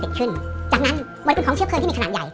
จากนั้นบริกุณของเชื้อเพลิงที่มีขนาดใหญ่